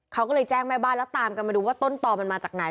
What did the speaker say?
เขาก็เลยแจ้งแม่บ้านแล้วตามกันมาดูว่าต้นตอมันมาจากไหน